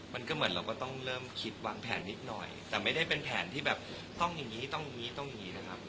มันก็เหมือนเราก็ต้องเริ่มคิดวางแผนนิดหน่อยแต่ไม่ได้เป็นแผนที่แบบต้องอย่างนี้ต้องอย่างนี้ต้องอย่างนี้นะครับ